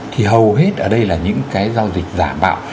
thì hầu hết ở đây là những cái giao dịch giả mạo